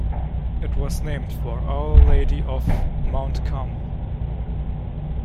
It was named for Our Lady of Mount Carmel.